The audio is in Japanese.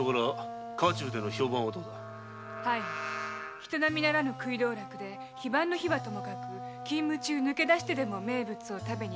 人並みならぬ食い道楽で非番の日はともかく勤務中抜け出してでも名物を食べに行くとか。